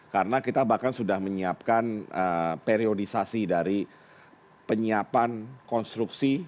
karena kita bahkan sudah menyiapkan periodisasi dari penyiapan konstruksi